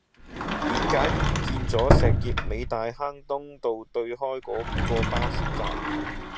點解唔見左石硤尾大坑東道對開嗰個巴士站